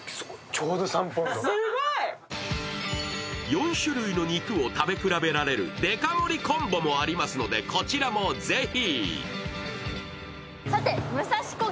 ４種類の肉を食べ比べられるデカ盛りコンボもありますのでこちらもぜひ。